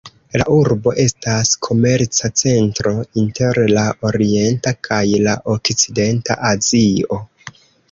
La urbo estas komerca centro inter la orienta kaj la okcidenta Azio.